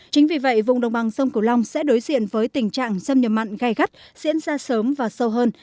chính vì vậy vùng đồng bằng sông cửu long sẽ đối diện với tình trạng xâm nhập mặn gai gắt diễn ra sớm và sâu hơn